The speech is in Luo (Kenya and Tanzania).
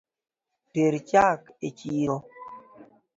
Ter chak e chiro